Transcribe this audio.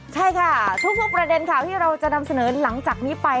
ใช่ค่ะทุกประเด็นข่าวที่เราจะนำเสนอหลังจากนี้ไป